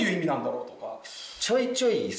ちょいちょいさ。